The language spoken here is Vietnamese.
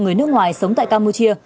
người nước ngoài sống tại campuchia